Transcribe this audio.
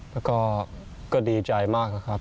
แล้วก็ดีใจมากนะครับ